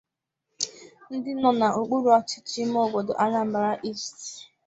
dị n'okpuru ọchịchị ime obodo 'Anambra East'